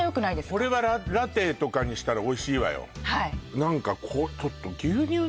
これはラテとかにしたらおいしいわよ